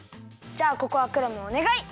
じゃあここはクラムおねがい。